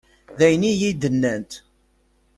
D ayen i yi-d-nnant.